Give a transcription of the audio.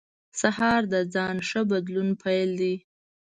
سهار د ځان ښه بدلون پیل دی.